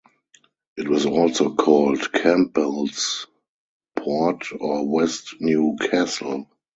It was also called Campbell's Port or West New Cassel.